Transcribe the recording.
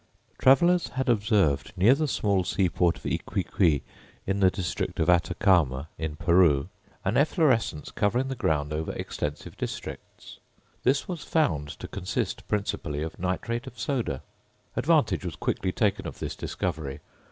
Travellers had observed near the small seaport of Yquiqui, in the district of Atacama, in Peru, an efflorescence covering the ground over extensive districts. This was found to consist principally of nitrate of soda. Advantage was quickly taken of this discovery.